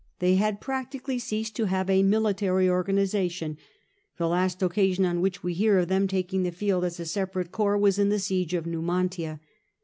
They had practically ceased to have a military organisation ; the last occasion on which we hear of them taking the field as a separate corps was at the siege of Numantia.